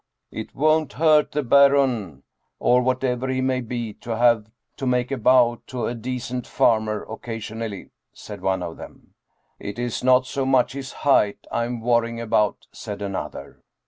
" It won't hurt the Baron or whatever he may be to have to make a bow to a decent farmer occasionally," said one of them. " It is not so much his height I'm worrying about," said another.